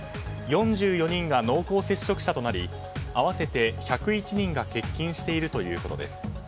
４４人が濃厚接触者となり合わせて１０１人が欠勤しているということです。